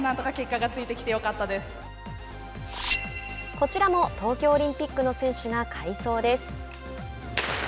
こちらも東京オリンピックの選手が快走です。